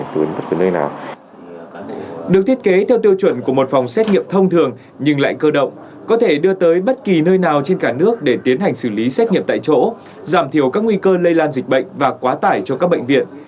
được thiết kế theo tiêu chuẩn của một phòng xét nghiệm thông thường nhưng lại cơ động có thể đưa tới bất kỳ nơi nào trên cả nước để tiến hành xử lý xét nghiệm tại chỗ giảm thiểu các nguy cơ lây lan dịch bệnh và quá tải cho các bệnh viện